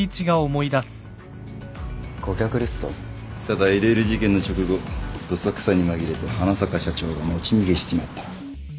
ただ ＬＬ 事件の直後どさくさに紛れて花坂社長が持ち逃げしちまった